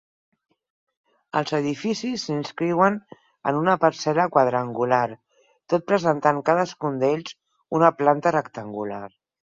Els edificis s'inscriuen en una parcel·la quadrangular, tot presentant cadascun d'ells una planta rectangular.